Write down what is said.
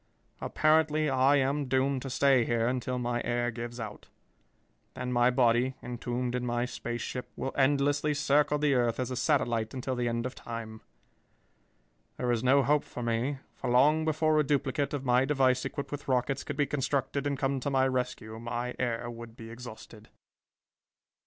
Apparently I am doomed to stay here until my air gives out. Then my body, entombed in my space ship, will endlessly circle the earth as a satellite until the end of time. There is no hope for me, for long before a duplicate of my device equipped with rockets could be constructed and come to my rescue, my air would be exhausted.